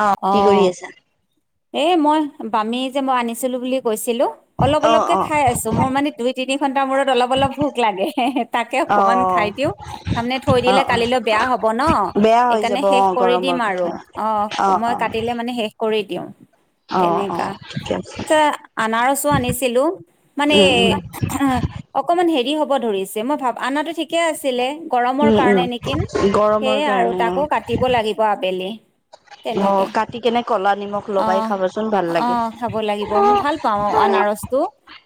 আহ কি কৰি আছা? এ মই বামী যে মই আনিছিলো বুলি কৈছো। অলপ অ', অলক অ', খাই আছো মোৰ মানে দুই তিনি ঘন্টাৰ মূৰত অলপ অলপ ভোক লাগে তাকে ক। অকমান খাই অ', দিও তাৰমানে থৈ দিলে অ', অ', কালিলৈ বেয়া হব ন বেয়া হৈ সেইকাৰণে যাব শেষ অ', কৰি দিম গৰমৰ আৰু কথা। অ মই কাটিলে মানে শেষ কৰিম। অৱ অৱ, ঠিকে আছে। আনাৰসো আনিছিলো মানে উম, উম, অকমান হেৰি হ'ব। ধৰিছে মই ভাব আনাটো ঠিকে আছিলে। গৰমৰ উম, উম, কাৰণে নিকিন গৰমৰ সেয়ে আৰু কাৰণে তাকো অ'। কাটিব লাগিব আবেলি। অ তেনেকে কাটি কেনে কলা নিমখ লগাই খাবচোন। অৱ খাব লাগিব মই ভাল পাওঁ আনাৰসটো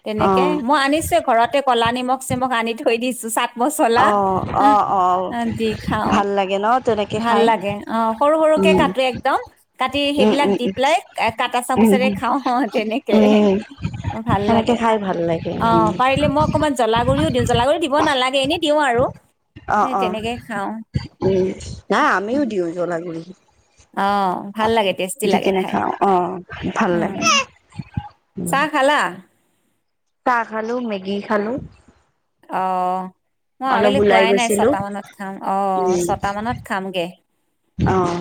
তেনেকে অ', মই আনিছে ঘৰতে কলা নিমখ চিমখ আনি থৈ দিছোঁ। মচলা অ', অ', হ অ', দি খাওঁ। ভাল লাগে ন তেনেকে ভাল খাই? লাগে অ সৰু সৰুকে উম, কাটে এক্দম কাটি উম, সেইবিলাক উম, দি পেলাই কাট আছা উম, উম, বুলি। খা অ তেনেকে, উম, ভাল সেনেকে লাগে খাই ভাল লাগে অ উম। পাৰিলে মই অকমান। জলা গুডৰিও দিওঁ জ্বলা গুৰি দিব নালাগে এনেই দিওঁ আৰু, অ', অ', তেনেকে খাওঁ। উম, নাই আমিও দিওঁ জ্বলাুৰি। অ ভাল লাগে টেষ্টি লাগে কেনে খাই, খাওঁ অ', ভাল লাগে। উম। চাহ খালা। চাহ খালো মেগি খালো। অ মই অলপ আবেলি ওলাই খোৱাই নাই গৈছিলো ছটা মানত খাম অ ছট মানত খামগে। অৱ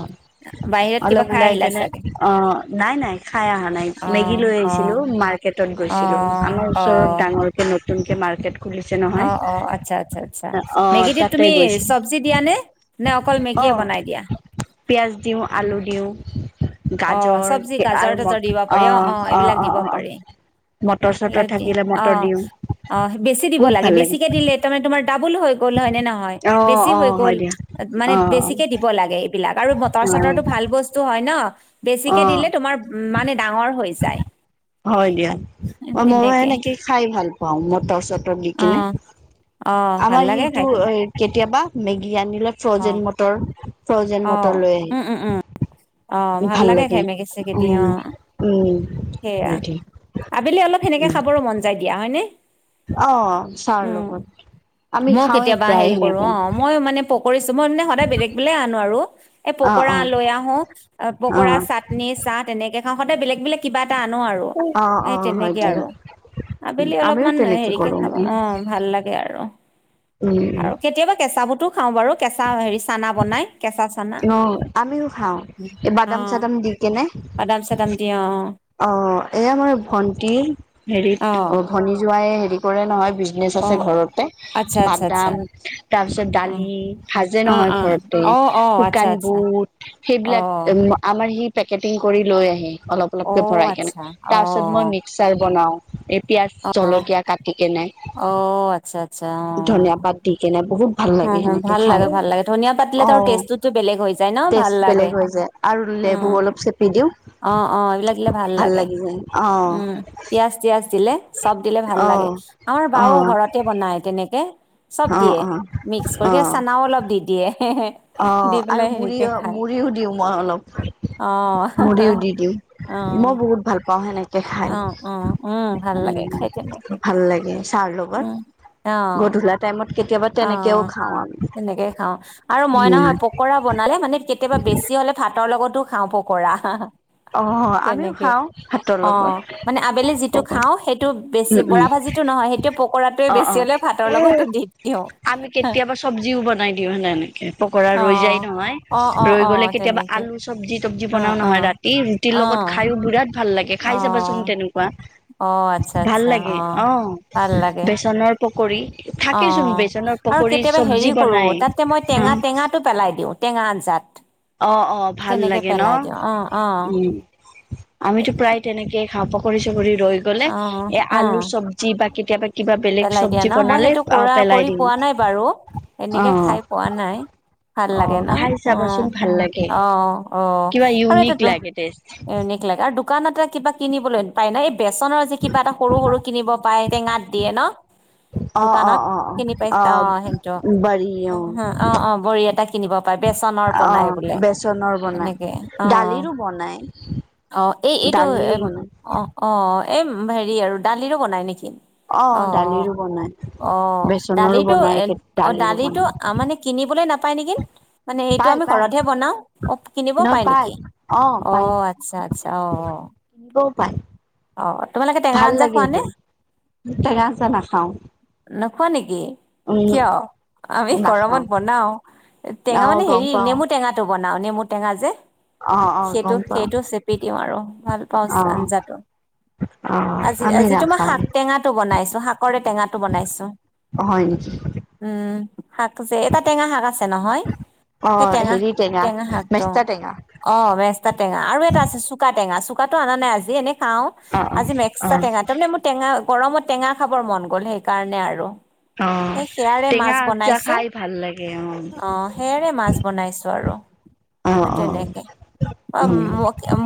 বাহিৰত কিবা অলপ খাই ওলাই আহিলা কেনে চাগে অ নাই নাই খাই অহা নাই মেগী অ', লৈ আহিছিলো অ', মাৰ। টত গৈছিলো অ', আমাৰ ওচৰত অ', ডাঙৰকৈ নতুনকে মাৰ্কেট। খুলিছে অ নহয় অ আচ্ছা আচ্ছা আচ্ছা অ মেগীটোত তাতে তুমি গৈছিলো চব্জি দিয়া নে নে অকল মেগীয়ে বনোৱা। নাই দিয়া। পিঁয়াজ দিওঁ, আলু দিওঁ। অ গাজৰ চব্জি আৰু ম গাজৰ-তাজৰ দিব অ পাৰি অঁ অঁ অ এইবিলাক অ দিব অ অ পাৰি। মটৰ চটৰ থাকিলে মটৰ অঁ দিওঁ অঁ বেছি দিব বহুত লাগে ভাল বেছিকে দিলে তাৰমানে তোমাৰ দাধ- বোলো হৈ গ'ল নে নহয় অ বেছি অ হৈ হয় গ'ল দিয়া অ বেছিকে দিব লাগে এইবিলাক। বাটাৰ টো ভাল বস্তু হয় ন' অ বেছিকে অ দিলে তোমাৰ মানে ডাঙৰ হৈ যায়। হয় দিয়া। অ মইও তেনেকে সেনেকে খাই ভাল পাওঁ মটৰ-চটৰ দি কিনে। অ' অ' ভাল আমাৰ লাগে সেইটো খাই তেনেকে কেতিয়াবা মেগী আনিলে ফ্ৰ'জেন অ' মটৰ- ফ্ৰ'জেন অ' মটৰ লৈ আহে। উম উম উম অ' ভাল লাগে খাই মেগি চেগি দি অ' উম' উম' উম' সেয়া লাগে। আবেলি অলপ সেনেকে খাবৰো মন যাই দিয়া হয়। চাহৰ উম' লগত আমি মইও খাওঁৱে কেতিয়াবা প্ৰায় হেৰি কৰো সেনেকে অঁ মইও মানে- কৰিছো। মই মানে সদায় বেলেগ বেলেগ আনো আৰু। এ' অ পকৰা অ লৈ আহো অ পকৰা, চাটনি, চাহ তেনেকে খাওঁ সদায় বেলেগ বেলেগ কিবা- এটা আনো আৰু অ অ এ' হয় তেনেকে দিয়া আৰু। আবেলি আমিও অলপমান তেনেকে হেৰিকে কৰো খাব উম অঁ ভাল লাগে আৰু। উম আৰু কেতিয়াবা কেঁচা বুটো খাওঁ বাৰু কেঁচা হেৰি চানা বনাই। কেঁচা চানা অঁ আমিও খাওঁ এই অ বাদাম-চাদাম দি কিনে। বাদাম চাদাম দি অ অঁ এয়া মাৰ ভন্টি হেৰিত অ ভনী জোৱাই হেৰি কৰে নহয়- বিকনেচ অ আছে ঘৰতে আচ্ছা আচ্ছা আচ্ছা বাদাম তাৰপিছত অ দালি ভাজে অ নহয় ঘৰতে। অ অ অ আচ্ছা শুকান আচ্ছা গুৰ অ সেইবিলাক আমাৰ হেৰি প্ৰেক্টিকেল কৰি লৈ আহে- অলপ অ ভৰাই কিনে। আচ্ছা অ তাৰপিছত মই মিক্সাৰ বনাওঁ। পিয়াজ অ জলকীয়া কাটি কিনে অ', আচ্ছা আচ্ছা ধনীয়া পাত দি কিনে। বহুত- ভাল অ', লাগে হ সেনেকে ভাল খাওঁ লাগে অঁ ভাল লাগে ধনিয়া পাত দিলে তাৰ অঁ টেষ্টটোতো বেলেগ হৈ যায় ন ভাল টেষ্ট লাগে বেলেগ হৈ যায়। আৰু- নেমু অলপ চেপি দিও। অঁ অঁ এইবিলাক দিলে ভাল লাগে। যায় অ', উম পিয়াজ-তিয়াজ দিলে চব দিলে ভাল লাগে। অ', আমাৰ বা'ও অ'। ঘৰতে বনাই তেনেকে- চব অ', দিয়ে অ', মিক্স কৰি কিনে চানাও অলপ দি দিয়ে। অঁ দি আৰু পেলাই মুড়ি হেৰিকে খায় মুড়িও দিওঁ মই অলপ। অ', দিওঁ দি দিওঁ মই অ', বহুত ভাল পাওঁ সেনেকে- খাই। অ', অ', উম, ভাল লাগে খাই তেনেকে ভাল লাগে চাহ'ৰ লগত- উম, অ', গধূলি টাইমত কেতিয়াবা তেনেকেও অ'। খাওঁ আমি। তেনেকে খাওঁ আৰু মই উম নহয় পকৰা বনালে মানে কেতিয়াবা বেছি হ'লে ভাতৰ লগতো খাওঁ পকৰা। অ', আমিও তেনেকে। খাওঁ ভাতৰ অঁ লগত মানে আবেলি যিটো পকত খাওঁ সেইটো বেছি উম বৰা উম ভাত- জিতু নহয় সেইটোয়ে পকৰাটোৱে অ', বেছি অ', হ'লে ভাতৰ লগতো দি দিওঁ। আমি কেতিয়াবা চব্জিও বনাই দিওঁ সেনেকৈ পকৰা অ ৰৈ যায় নহয় অ অ ৰৈ অ গ'লে কেতিয়াবা তেনেকে আলু চবজি- চব্জি অ বনাও অ নহয় ৰাতি ৰুটিৰ অ লগত খাই বিৰাট ভাল লাগে অ খাই চাবাচোন তেনেকুৱা। অ আচ্ছা ভাল আচ্ছা অ লাগে অঁ ভাল লাগে বেচনৰ পকৰি অ থাকে চোন বেচনৰ পকৰি- আৰু কেতিয়াবা হেৰি কৰো তা'তে মই টেঙা টেঙা টো পেলাই দিওঁ টেঙা আঞ্জাত। অঁ অঁ ভাল তেনেকে লাগে পেলাই ন' দিওঁ অ অ উমঁ। আমিতো প্ৰায় তেনেকেই- খাওঁ পকৰি চকৰি ৰৈ গ'লে এ' অ আলু অ চব্জি বা কেতিয়াবা কিবা। বেলেগ পেলাই দিয়া চব্জি ন' মই বনালে সেইটো অ কৰা পেলাই কৰি দিওঁ পোৱা নাই বাৰু অ এনেকে খাই পোৱা নাই। ভাল অ লাগে ন' খাই অঁ। চাবাচোন ভাল লাগে অ অ কিবা আৰু এটা ইউনিক লাগে টেষ্ট লাগে আৰু- দোকানতে এটা কিবা কিনিবলৈ পায় ন' এই বেচনৰ যে কিবা এটা সৰু সৰু কিনিব পায় টেঙাত। দিয়ে ন'। অ অ দোকানত অ অ কিনি পাইছে অ অঁ সেইটো বাৰী অ অঁ অঁ বৰহিয়া এটা কিনিব পাৰি। বেচনৰ অ বনাই বোলে বেচনৰ বনাই এনেকে অঁ। দালিৰো বনাই অ এই এইটো দালিৰো এ' বনাই অঁ অঁ এ' হেৰি আৰু দালিৰো বনাই নেকি? অ অ দালিৰো বনাই অ বেচনৰো দালিটো বনাই এ' কে অঁ দালিৰো দালিটো বনাই মানে কিনিবলৈ নাপাই- পায় নেকি? মানে এইটো পাই আমি পাই ঘৰতহে বনাও অ কিনিব পাই নেকি অ আচ্ছা আচ্ছা অঁ অঁ। হ'ব পায়। অঁ তোমালোকে টেঙা আঞ্জা খোৱা নে। গাঁছ না খাওঁ। নোখোৱা নেকি কিয় আমি নাখাও গৰমত বনাও টেঙা আহ মানে গম হেৰি পাও নেমু টেঙাটো বন ননা মোৰ টেঙা যে অ অ সেইটো গম পাও সেইটো চেপি দিওঁ আৰু ভাল পাওঁ অ আঞ্জাটো অ আজি আমি আজি তোমাৰ নাখাও শাক টেঙা তোমাৰ বনাইছো শাকৰে টেঙাটো বনাইছো হয় নেকি উম শাক যে এটা টেঙা শাক আছে নহয়। অ সেই টেঙা হেৰি টেঙা শাকটো মেষ্টা টেঙা অঁ মেসা টেঙা আৰু এটা আছে চুকা টেঙা চ কাতটো অনা নাইজি এনে খাও অ আ অ অ মে্সট টেঙা তাৰমানে মোৰ টেঙা গৰমত টেঙা খাবৰ মন গ'ল সেইকাৰণে আৰু অ এই সেয়াৰে টেঙা মাছ আঞ্জা বনাইছো খাই ভাল লাগে অ অঁ সেয়াৰে মাছ বনাইছো আৰু অ অ তেনেকে অ উম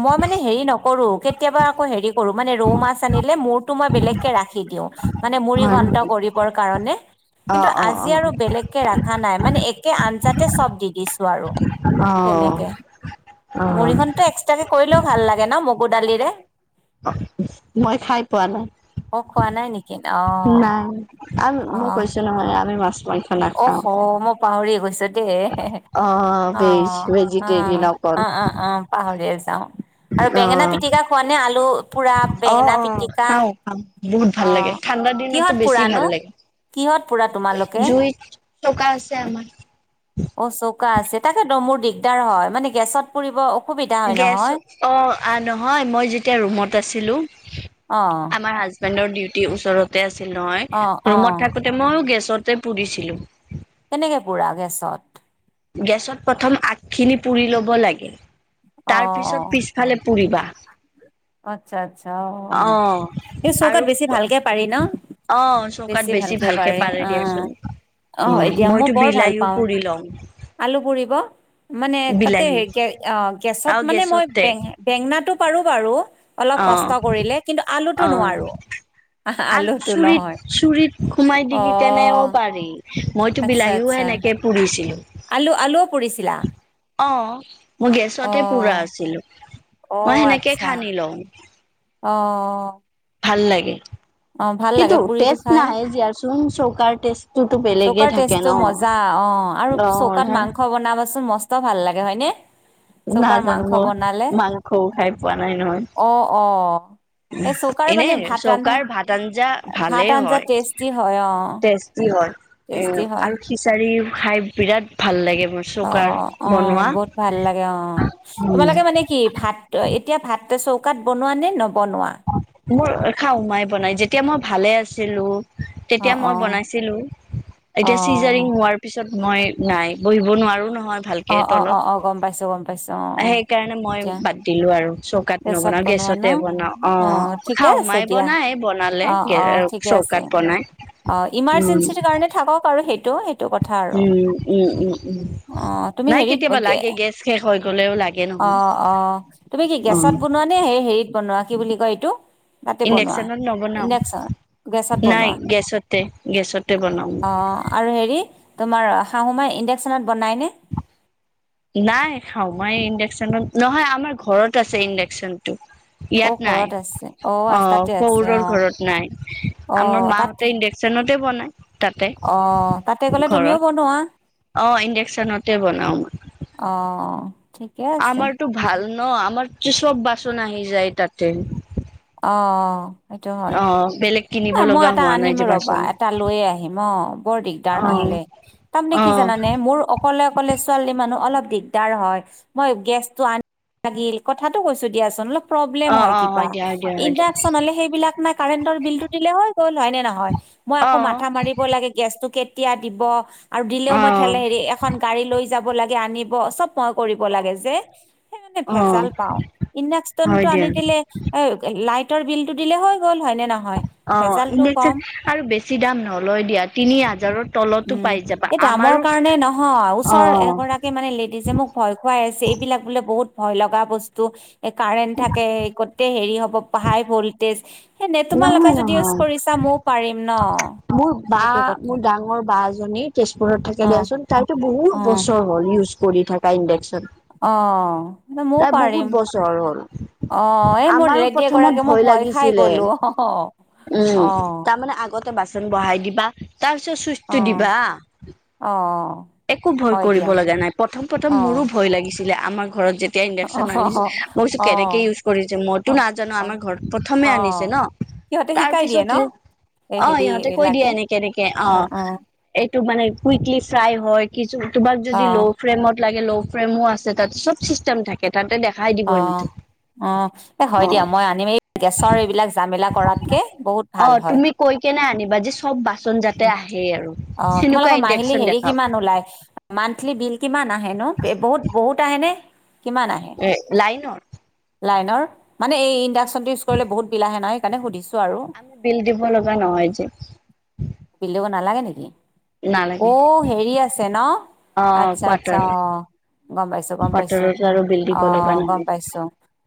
মই মানে হেৰি নক কৰো কেতিয়াবা আকৌ হেৰি কৰো মানে ৰৌ মাছ আনিলে মূৰটো মই বেলেগকে ৰাখি দিওঁ মানে হয় মুৰিঘণ্টা নেকি কৰিবৰ কাৰণে অ কিন্তু অ আজি আৰু বেলেগকে ৰখা নাই মানে একে আঞ্জাতে চব দি দিছো। অ অ তেনেকে অ মুৰি খতো এক্সট্ৰাকে কৰিলেও ভাল লাগে ন ম বুডালিৰে। মই খাই পোৱা নাই। অঁ খোৱা নাই নেকি আঁহ নাই আমি মই আহঁ। কৈছো নহয় আমি মাছ মাংস অঁহ নাখাওঁ। মই পাহৰি গৈছো দেই অ' ভেজ অঁ আঁহ। ভেজিটেৰিয়ান অঁ অঁ অঁ পাহৰি গৈছো। অঁ আলু পুৰা অঁ বেঙেনা অঁ পিটিকা খাওঁ খাম বহুত ভাল অ লাগে। ঠাণ্ডাৰ দিনততো কিহত বছি পুৰানো ভাল লাগে। কিহত পুৰা তোমালোকে। থকা আছে আমাৰ। অ চৌকা আছে তাকেতো মোৰ দিগদাৰ হয় মানে গেছত পৰিব। গেছ অঁ নহয় মই যেতিয়া ৰুমত আছিলো। অ আমাৰ হাজবেণ্ডৰ ডিউটি ওচৰতে আছিল নহয় অ অ ৰুমত থাকোতে মইো গেষ্ট। ওচৰতে পুৰিছিলোঁ। কেনেকে পুৰা গেছত। গেছত প্ৰথম আগখিনি পুৰি ল'ব লাগে অ তাৰ অ পিছত পিছফালে। পুৰিবা। আচ্ছা আচ্ছা অঁ অঁ অ' এই চৌকাত আৰু বেছি ভালকে পাৰি ন। অ চৌকাত বেছি ভালকে পাৰি পাৰে অঁ। দিয়াচোন অঁ উম হয় দিয়া মই মইতো বৰ ভাল বিলাহীও পাওঁ পুৰি লওঁ আলু পুৰিব। মানে তাতে হ বিলাহী গেছত আৰু মানে মই গেছতে বে বেঙনাটো পাৰোঁ বাৰু অলপ অ কষ্ট কৰিলে কিন্তু আলুতটো অ নোৱাৰো। আল আলুটো নহয় চৰিত চুৰিত সোমাই দি অ কি তেনেও পাৰি মইতো আচ্ছা বিলাহীও হে। আচ্ছা এনেকে পুৰিছিলোঁ। আলু আলুও পৰিছিলা। অঁ মই গেছতে পুৰা আছিলো মই সেনেকে খান্দি লওঁ। অঁ অঁ। ভাল লাগে। কিন্তু পুৰিটো ষ্টেষ্ট খাই নাহে জিয়াচোন চৌকাৰ টেষ্ট। চৌকাৰ টেষ্টটো মজা অ আৰু অ চৌকাত মাংস বনাব। মস্ত ভাল লাগে হয়নে চৌকাৰ নাজানোঁ মাংস মই, বনালে মাংসও খাই পোৱা নাই ন অ অ এই চৌকাৰ এনে মানে ভাত ৰান্ধা চৌকাৰ ভাত আঞ্জা ভাত ভালেই আঞ্জা হয়, টেষ্টি হয় অ টেষ্টি হয় টেষ্টি এ', হয় আৰু খিচাৰি খাই বিৰাট ভাল লাগে মোৰ চৌকাৰ বনোৱা ভালাগে অ', তোমালোকে মানে কি ভাতটো, এতিয়া ভাতটো চৌকাত বনোৱা নে নবনোৱা? মোৰ খাওঁ, মায়ে বনাই যেতিয়া মই ভালে আছিলোঁ অ তেতিয়া মই অ বনাইছিলোঁ, অ এতিয়া চিজাৰিং হোৱাৰ পিছত মই, নাই বহিব নোৱাৰো ন অ ভালকে অ অ তলত, অ গম পাইছো গম পাইছো অ অ সেইকাৰণে মই এতিয়া বাদ দিলোঁ আৰু চৌকাত গেছত নবনা বনোৱা ন গেছতে বনাওঁ অ', ঠিকে খাওঁ আছে মায়ে দিয়া বনাই বনালে অ অ গে', ঠিকে আছে চৌকাত বনাই অ', উম ইমাৰ্জেঞ্চিৰ কাৰণে থাকক আৰু এই, সেইটো কথা আৰু উম উম উম উম অ', তুমি নাই হেৰিত কেতিয়াবা গেছ লাগে শেষ হৈ গ'লেও লাগে নহয়। অ', - অ', তুমি কি গেছত অ', বনোৱানে, সেই হেৰিত বনোৱা, কি বুলি কয় এইটো তাতে বনোৱা ইণ্ডাকশ্যনত নবনাও, ইণ্ডাকচন গেছত নাই বনোৱা গেছতে গেছতে বনাও অ', ‌ আৰু হেৰি তোমাৰ আশা সময়ত ইণ্ডাকশ্যনত বনাই নেকি? নাই, খাওঁ মই ইণ্ডাকশ্যনত, নহয় আমাৰ ঘৰত আছে ইণ্ডাকশ্যনটো অ ইয়াত নাই, ঘৰত আছে আ অ', তাতে আছে শহুৰৰ অ ঘৰত নাই, অ আমাৰ তাত মাহতে ইণ্ডাকশ্যন তাতে বনাই? তাতে অ তাতে গ'লে তুমিও ঘৰত বনোৱা অ', ইণ্ডাকশ্যন তাতে বনাও মই অ', ঠিকে আছে আমাৰটো ভাল ন আমাৰ যে চব বাচন আহি যায় তাতে অ', - অ', অ', বেলেগ কিনিব মই লগা এটা হোৱা নাই আনিম যে ৰবা, বাচন এটা লৈয়ে আহিম অ', বৰ দিগদাৰ অ নহ'লে তাৰমানে অ কি জানেনে? মোৰ অ', অকলে অকলে ছোৱালী মানুহ, অলপ দিগদাৰ হয় মই গেছটো আনি লাগিল কথাটো কৈছোঁ দিয়াচোন লগ প্ৰব্লেম অ হয় অ কিবা, দিয়া হয় দিয়া হয় দিয়া ইণ্ডাকশ্যন হ'লে সেইবিলাক নাই কাৰেণ্টৰ বিল দিলে হয় গ'ল হয়নে নহয় মই আকৌ অ'। মাথা মাৰিব লাগে গেছতটো কেতিয়া দিব আৰু দিলেও মই অ', ঠেলে হেৰি এখন গাড়ী লৈ যাব লাগে আনিব, চব মই কৰিব লাগে যে সেইকাৰণে অ', ভেজাল পায়, হয় ইণ্ডাকশ্যনটো দিয়া। আনি দিলে হয়', অ', লাইট লাইটৰ বিলটো দিলেই হৈ গ'ল হয়নে নহয় অ ভেজালটো ইণ্ডাকশ্যন, কম আৰু বেছি দাম নলয় দিয়া তিনি হাজাৰৰ তলতো উম পাই যাবা এই অ', দামৰ আমাৰো কাৰণে নহয় ওচৰ এগৰাকী মানে লেডিজে মোক ভয় খুৱাই আছে এইবিলাক বোলে বহুত ভয় লগা বস্তু এই কাৰেণ্ট থাকে গতে হেৰি হ'ব হাই ভল্টেজ এনে তোমালোকে নহয় যদি ইউজ নহয় কৰিছা ময়ো পাৰিম ন মোৰ, বা সেইটো কথা মোৰ ডাঙৰ বা জনী তেজপুৰত থাক অ দিয়াচোন তাইতো অ বহুত বছৰ হ'ল ইউজ কৰি থকা ইণ্ডাকশ্যন অ', ময়ও প্ৰায় পাৰিম বহুত বছৰ হ'ল অ', এই মোৰ আমাৰো লেডী প্ৰথমত এগৰাকী মই ভয় খাই লাগিছিলে। গলো অ', উম অ তাৰমানে আগতে বাচ বহাই দিবা তাৰ পিছত অ চুইছটো দিবা অ একো ভয় হয় কৰিব দিয়া লগা নাই প্ৰথম অ প্ৰথম মোৰো ভয় লাগিছিলে আমাৰ ঘৰত যেতি, এতিয়া অ ইণ্ডাকশ্যন আনিছোঁ, মই কৈছোঁ অ কেনেকে ইউজ কৰিছে মইতো নাজানোঁ আমাৰ অ ঘৰত প্ৰথমে অ আনিছে ন সিহঁতে তাৰ শিকাই দিয়ে পিছত ন? এই অ', হেৰি ইহঁতে কৈ দিয়ে এইবিলাকে এনেকে এনেকে অ', এইটো মানে কুইকলী ফ্ৰাই হয় কি তোমাক অ যদি ল' ফ্ৰেমত লাগে ল' ফ্ৰেমো আছে তাত চব চিষ্টেম থাকে তাতে দেখাই দিব অ এমাউনতো অ এ হয় দিয়া মই আনিম এই গেছৰ এইবিলাক জামেলা কৰাতকে বহুত ভাল হয়। বা যে চব বাচন যাতে উম। আহে আৰু অ সেনেকুৱা তোমালোকৰ মাহিলী ইণ্ডাকশ্যন হেৰি দেখাওক কিমান? ল মানথলি বিল কিমান আহে নো বহুত বহুত আহে ন কিমান এ লাইনৰ লাইনৰ মানে ইডাকশচনটো ইউজ কৰিলে বহুত বিলা আহে নহ সেইকাৰণে সুধিছো আৰু আমি বিল দিব লগা নহয় যে বিল দিব নালাগে অ নালাগে হেৰি আছে ন অ', আচ্ছা আচ্ছা কোৱাৰ্টাৰ অ গম পাইছো গম পাইছো কোৱাৰ্টাৰত আৰু বিল দিব অ লগা গম নহয়। পাইছো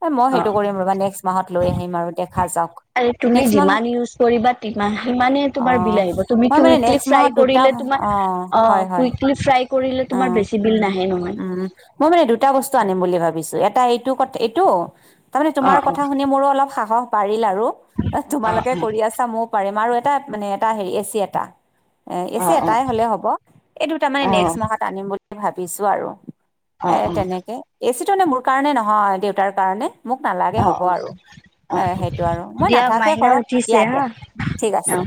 এ মই সেইটো অ', কৰিম ৰবা নেক্সট মাহত লৈ আহিম আৰু দেখা যাওক তুমি নেক্সট মাহত যিমান ইউজ কৰিবা সিমানে অ তোমাৰ বিল আহিব তুমি মই মানে নেক্সট ইলিফ্ৰাই মাহত দুটা কৰিলে অ অ হয় হয় কুইকলি ফ্ৰাই কৰিলে অ তোমাৰ বেছি বিল নাহে নহয়। উম মই মানে দুটা বস্তু আনিম বুলি ভাবিছো এটা এইটো কথা এইটো তাৰমানে তোমাৰ অ', অ', কথা শুনি মোৰো অলপ সাহস বাঢ়িল আৰু তোমালোকে অ', কৰি আছা ময়ও পাৰিম আৰু এটা মানে এটা হেৰি এ চি এটা এ এচি অ', অ', এটাই হলে হ'ব এই দুটাৰ মানে অ', অ', নেক্সট অ', মাহত আনিম বুলি ভাবিছো আৰু এ তেনেকে এচিটো এনে মোৰ কাৰণে নহয় দেউতাৰ কাৰণে মোক নালাগে অ', হ'ব অ', অ', আৰু অ এ সেইটো আৰু মই দিয়া নাথাকোৱে মাইনা ঘৰত দিয়া উঠিছে দিয়া হা ঠিক আছে অ'।